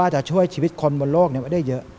จะช่วยชีวิตคนได้เยอะ